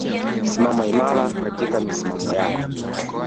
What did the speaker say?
Simama imara katika misimamo yako.